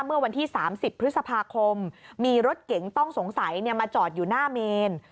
เมื่อวันที่๓๐พฤษภาคมมีรถเก๋งต้องสงสัยมาจอดอยู่หน้าเมน